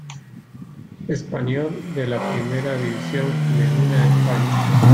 Espanyol de la Primera División Femenina de España.